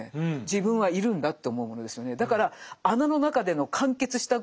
自分はいるんだと思うものですよね。